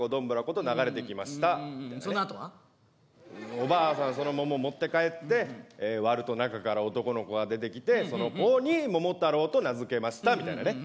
おばあさんはその桃持って帰って割ると中から男の子が出てきてその子に桃太郎と名付けましたみたいなね。